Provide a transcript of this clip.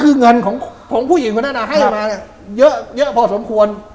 ก็คือเงินของผู้หญิงคุณด้านหน้าให้มาเยอะพอสมควร